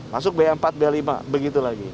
masuk b empat b lima begitu lagi